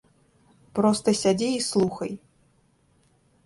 Проста сядзі і слухай.